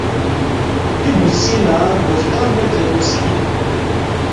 دی بُوسترِنگ لہ گوہرکنگ مید زیربو صحیح اِن،